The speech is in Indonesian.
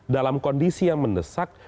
dalam kondisi yang mendesak